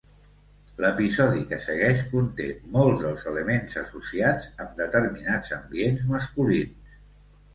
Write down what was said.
L'episodi que segueix conté molts dels elements associats amb determinats ambients masculins.